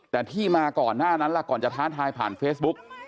แต่ที่มาก่อนหน้านั้นล่ะก่อนจะท้าทายผ่านเฟซบุ๊ก